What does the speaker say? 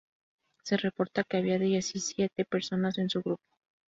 Se reporta que había diecisiete personas en su grupo.